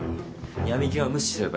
闇金は無視すればいい。